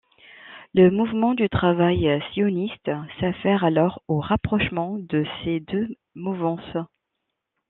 Le mouvement du Travail sioniste s'affaire alors au rapprochement de ces deux mouvances.